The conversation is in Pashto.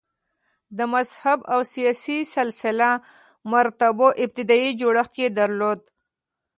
د مذهب او سیاسي سلسه مراتبو ابتدايي جوړښت یې درلود